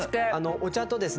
お茶とですね